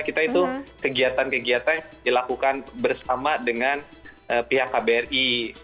kita itu kegiatan kegiatan yang dilakukan bersama dengan pihak kbri